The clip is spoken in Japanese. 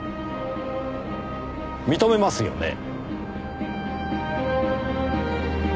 認めますよね？